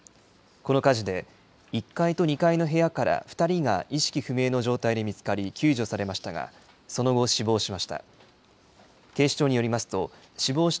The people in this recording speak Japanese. この火事で、１階と２階の部屋から２人が意識不明の状態で見つかり、救助されましたが、その後、死亡しました。